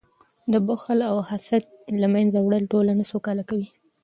د بخل او حسد له منځه وړل ټولنه سوکاله کوي.